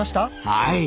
はい。